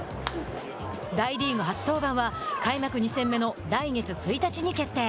大リーグ初登板は開幕２戦目の来月１日に決定。